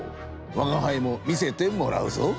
わがはいも見せてもらうぞ。